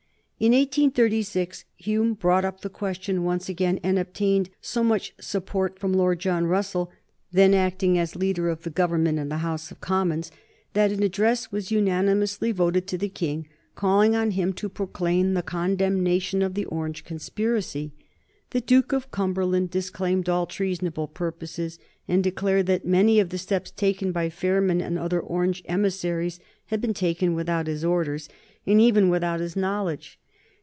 In 1836 Hume brought up the question once again and obtained so much support from Lord John Russell, then acting as Leader of the Government in the House of Commons, that an address was unanimously voted to the King calling on him to proclaim the condemnation of the Orange conspiracy. The Duke of Cumberland disclaimed all treasonable purposes, and declared that many of the steps taken by Fairman and other Orange emissaries had been taken without his orders and even without his knowledge.